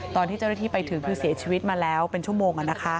ตอนที่เจ้าหน้าที่ไปถึงคือเสียชีวิตมาแล้วเป็นชั่วโมง